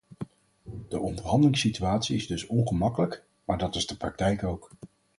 De onderhandelingssituatie is dus ongemakkelijk, maar dat is de praktijk ook.